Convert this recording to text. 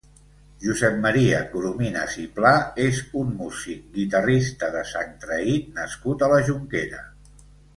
Josep Maria Corominas i Pla és un músic, guitarrista de Sangtraït nascut a la Jonquera.